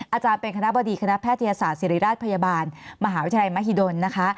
อาจารย์เป็นคณะบดีคณะแพทยศาสตร์ศิริราชพยาบาลมหาวิทยาลัยมหิดลนะคะ